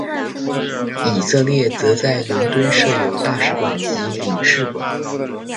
以色列则在伦敦设有大使馆及领事馆。